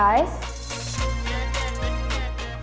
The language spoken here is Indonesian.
lo udah kayak gimana